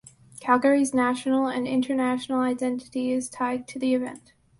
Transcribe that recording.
Calgary's national and international identity is tied to the event.